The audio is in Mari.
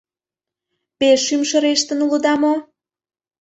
Пеш шӱмшырештын улыда мо?!